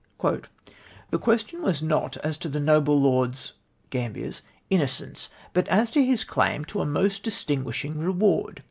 " The question was not as to the noble lord's (G amhier ) innocence, but as to his claim to a most distinguishing reward.